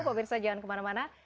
pak birsa jangan kemana mana